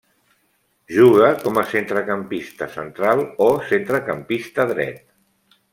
Juga com a centrecampista central o centrecampista dret.